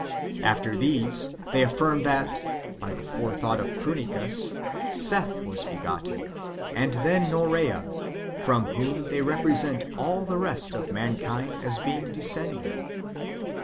After these, they affirm that, by the forethought of Prunicus, Seth w^as begotten, and then Norea,^ from whom they re present all the rest of mankind as being descended.